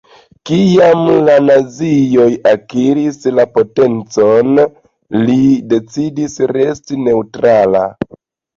Kiam la nazioj akiris la potencon, li decidis resti neŭtrala.